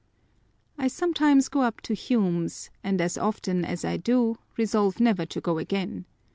... I sometimes go up to Hume's ;J and as often as I do, resolve never to go again.